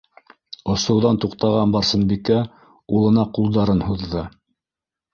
- Осоуҙан туҡтаған Барсынбикә улына ҡулдарын һуҙҙы.